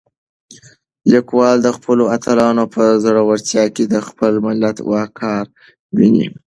لیکوال د خپلو اتلانو په زړورتیا کې د خپل ملت وقار وینه.